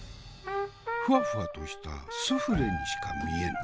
フワフワとしたスフレにしか見えぬ。